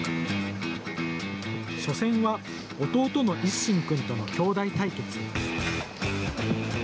初戦は弟の一心君との兄弟対決。